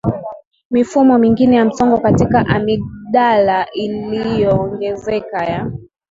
mifumo mingine ya msongo katika amigdala iliyoongezeka ya